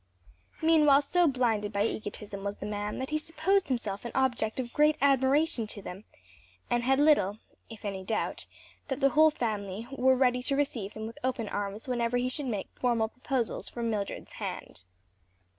Meanwhile so blinded by egotism was the man, that he supposed himself an object of great admiration to them, and had little, if any doubt, that the whole family were ready to receive him with open arms whenever he should make formal proposals for Mildred's hand.